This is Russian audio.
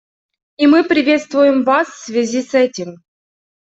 И мы приветствуем вас в связи с этим.